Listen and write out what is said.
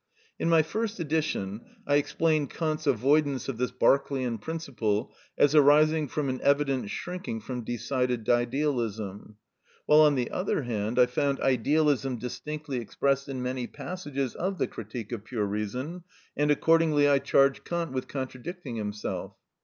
In my first edition I explained Kant's avoidance of this Berkeleian principle as arising from an evident shrinking from decided idealism; while, on the other hand, I found idealism distinctly expressed in many passages of the "Critique of Pure Reason," and accordingly I charged Kant with contradicting himself.